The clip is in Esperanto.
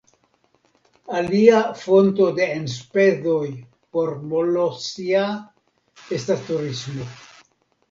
Alia fonto de enspezoj por Molossia estas turismo.